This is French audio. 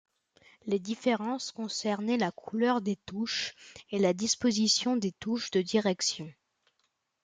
Les différences concernaient la couleur des touches et la disposition des touches de direction.